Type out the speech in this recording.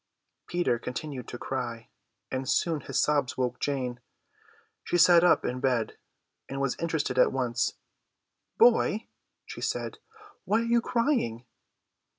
Peter continued to cry, and soon his sobs woke Jane. She sat up in bed, and was interested at once. "Boy," she said, "why are you crying?"